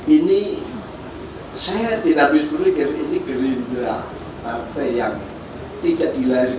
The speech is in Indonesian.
ini saya tidak bisa berpikir ini gerindra partai yang tidak dilahirkan